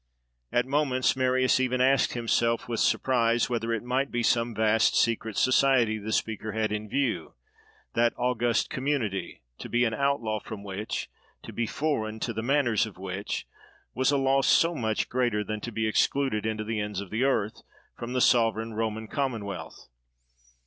At moments, Marius even asked himself with surprise, whether it might be some vast secret society the speaker had in view:—that august community, to be an outlaw from which, to be foreign to the manners of which, was a loss so much greater than to be excluded, into the ends of the earth, from the sovereign Roman commonwealth.